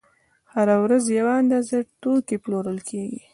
هره ورځ یوه اندازه توکي پلورل کېږي